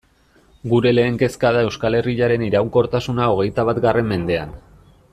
Gure lehen kezka da Euskal Herriaren iraunkortasuna hogeita batgarren mendean.